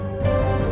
aku mau kemana